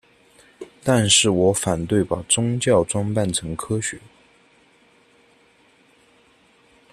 但是我反对把宗教装扮成科学。